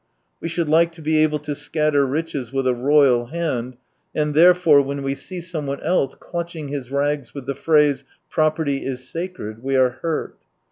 We should like to be able to scatter riches with a royal hand ; and, therefore, when we see someone else clutching his rags with the phrase, " property is sacred," we are hurt.